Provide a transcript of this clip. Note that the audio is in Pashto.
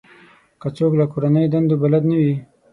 که څوک له کورنۍ دندو بلد نه وي.